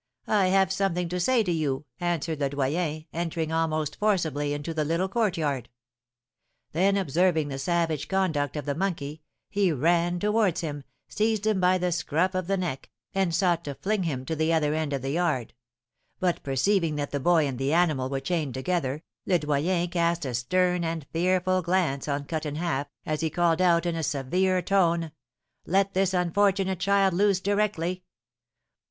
'I have something to say to you,' answered Le Doyen, entering almost forcibly into the little courtyard. Then observing the savage conduct of the monkey, he ran towards him, seized him by the scruff of the neck, and sought to fling him to the other end of the yard; but perceiving that the boy and the animal were chained together, Le Doyen cast a stern and fearful glance on Cut in Half, as he called out in a severe tone, 'Let this unfortunate child loose directly!'